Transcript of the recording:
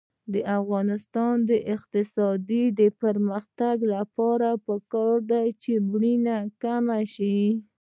د افغانستان د اقتصادي پرمختګ لپاره پکار ده چې مړینه کمه شي.